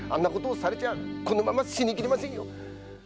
あれじゃこのまま死にきれませんよ！